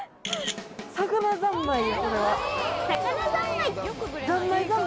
「魚ざんまい」！